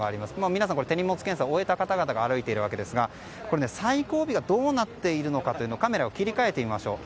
皆さん、手荷物検査を終えた方々が歩いているわけですが最後尾がどうなっているのかカメラを切り替えてみましょう。